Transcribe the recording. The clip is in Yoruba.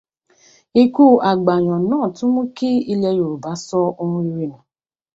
Ikú àgbà Àyàn náà tún mú kí ilẹ̀ Yorùbá sọ ohun rere nù.